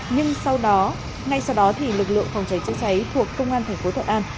nhưng sau đó ngay sau đó thì lực lượng phòng cháy chữa cháy thuộc công an thành phố thuận an